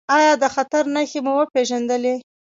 ایا د خطر نښې مو وپیژندلې؟